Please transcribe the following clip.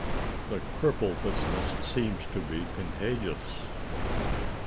THE CRIPPLE BUSINESS SEEMS TO BE CONTAGIOUS.